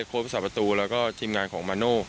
ภาษาประตูแล้วก็ทีมงานของมาโน่